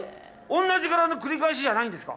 同じ柄の繰り返しじゃないんですか？